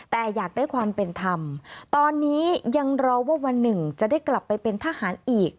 แต่อยากได้ความเป็นธรรมตอนนี้ยังรอว่าวันหนึ่งจะได้กลับไปเป็นทหารอีก